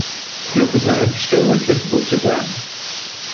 Люк узнает, что его отец был джедаем